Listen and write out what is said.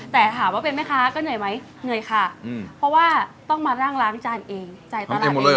แต่ถามว่าเป็นแม่ค้าก็เหนื่อยไหมเหนื่อยค่ะเพราะว่าต้องมานั่งล้างจานเองจ่ายตลาดเอง